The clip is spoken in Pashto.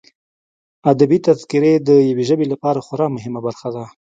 ادبي تذکرې د یوه ژبې لپاره خورا مهمه برخه ده.